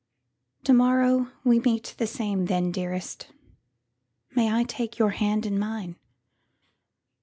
To morrow we meet the same then, dearest? May I take your hand in mine?